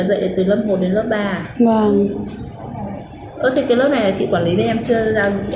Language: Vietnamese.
chị quản lý đây em chưa giao cho chị